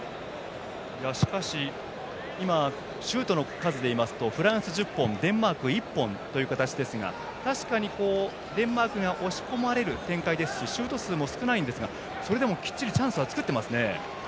しかし、今シュートの数でいいますとフランス、１０本デンマーク、１本ですが確かに、デンマークが押し込まれる展開ですしシュート数も少ないんですがそれでもきっちりチャンスは作っていますね。